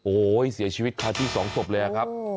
โอ๊ยเสียชีวิตทั้งที่สองตบเลยครับ